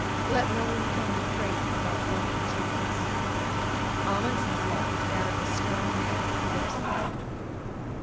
Let no one come and prate about luck and chance. Amundsen's luck is that of the strong man who looks ahead.